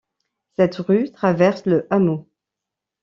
Cette rue traverse le hameau.